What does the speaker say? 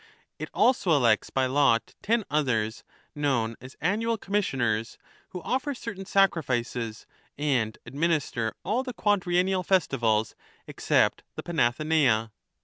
It also elects by lot ten others, known as Annual Commissioners, who offer certain sacrifices and administer all the quadriennial festivals except the Panathenaea.